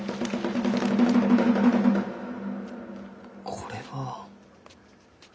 これは。